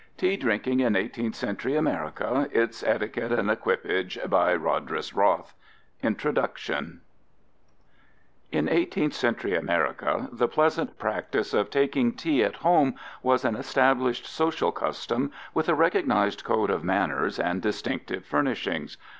] _Tea Drinking in 18th Century America: Its Etiquette and Equipage _ By Rodris Roth _In 18th century America, the pleasant practice of taking tea at home was an established social custom with a recognized code of manners and distinctive furnishings.